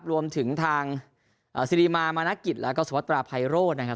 รวมถึงทางซิริมามานักกิจและก็สวทธาไพโร่นะครับ